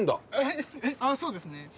そうですね。